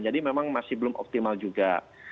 jadi memang masih belum optimal juga